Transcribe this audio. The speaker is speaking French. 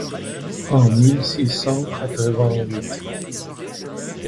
En mille six cent quatre-vingt-huit